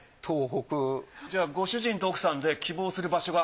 じゃあご主人と奥さんで希望する場所が。